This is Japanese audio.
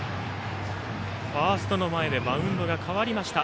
ファーストの前でバウンドが変わりました。